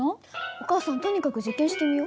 お母さんとにかく実験してみよ。